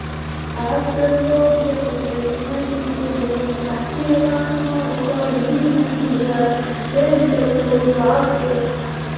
أعد الله لهم جنات تجري من تحتها الأنهار خالدين فيها ذلك الفوز العظيم